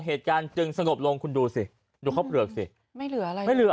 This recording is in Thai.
เหตุการณ์จึงสงบลงคุณดูสิดูข้าวเปลือกสิไม่เหลืออะไรไม่เหลือ